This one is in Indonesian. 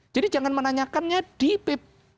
jadi jangan menanyakannya di pph